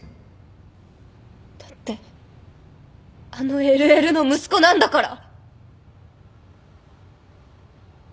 だってあのＬＬの息子なんだから。